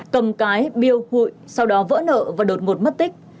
cầm cái biêu hụi sau đó vỡ nợ và đột ngột mất tích